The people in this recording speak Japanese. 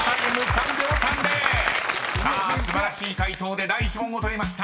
［さあ素晴らしい解答で第１問を取りました］